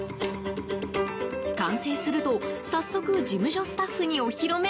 完成すると、早速事務所スタッフにお披露目。